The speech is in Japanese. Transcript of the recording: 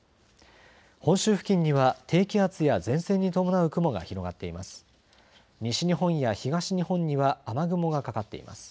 本州付近には低気圧や前線に伴う雲が広がっています。